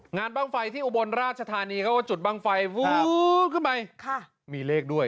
งานบ้างไฟที่อุบลราชธานีเขาว่าจุดบ้างไฟคือใหม่ค่ะมีเลขด้วย